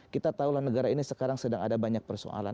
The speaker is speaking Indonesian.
kita tahulah negara ini sekarang sedang ada banyak persoalan